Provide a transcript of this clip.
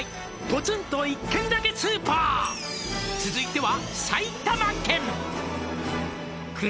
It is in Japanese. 「続いては」